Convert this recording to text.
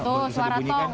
tuh suara tong